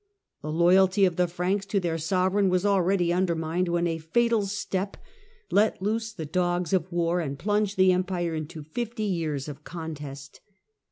The loyalty of the Franks to their sovereign was already undermined when a fatal step let loose the dogs of war and plunged the Empire into fifty years of contest.